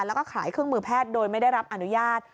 แล้วก็ขายเครื่องมือแพทย์โดยไม่ได้รับอนุญาต